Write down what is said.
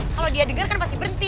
kalau dia dengar kan pasti berhenti